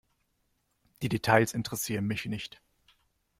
Die Details interessieren mich nicht.